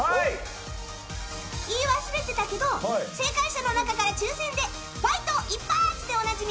言い忘れてたけど正解者の中から抽選でファイトイッパーツ！でおなじみ